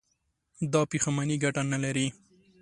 دا پښېماني گټه نه لري.